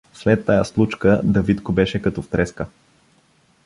След тая случка Давидко беше като в треска.